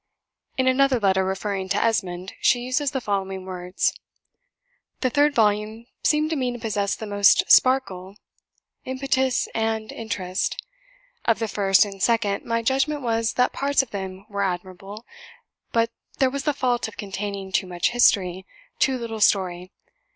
In another letter, referring to "Esmond," she uses the following words: "The third volume seemed to me to possess the most sparkle, impetus, and interest. Of the first and second my judgment was, that parts of them were admirable; but there was the fault of containing too much History too little story.